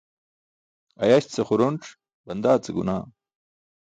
Ayaś ce xuronc, bandaa ce gunaah.